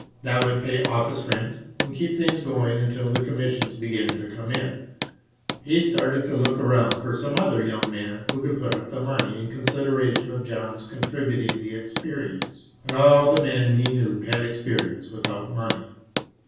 That would pay office rent and keep things going until the commissions began to come in. He started to look around for some other young man who could put up the money in consideration of John's contributing the experience. But all the men he knew had experience without money.